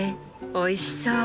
おいしそう。